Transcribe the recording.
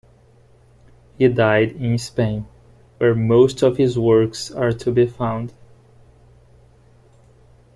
He died in Spain, where most of his works are to be found.